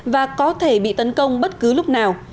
và có thể bị tấn công bất cứ lúc nào